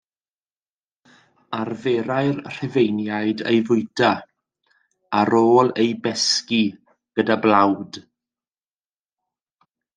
Arferai'r Rhufeiniaid ei fwyta, ar ôl ei besgi gyda blawd.